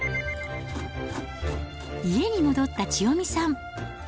家に戻った千代美さん。